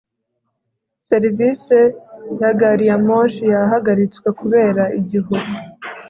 serivise ya gari ya moshi yahagaritswe kubera igihu